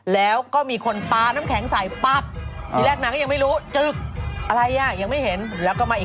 แล้วก็มาอีกก้อนนึงปั๊บ